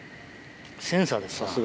センサーです。